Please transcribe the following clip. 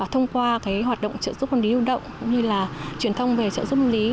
thông qua hoạt động trợ giúp pháp lý lưu động như là truyền thông về trợ giúp lý